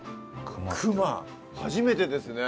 熊初めてですね。